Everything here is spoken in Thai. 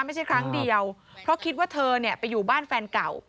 ไม่ใช่ครั้งเดียวเพราะคิดว่าเธอเนี่ยไปอยู่บ้านแฟนเก่า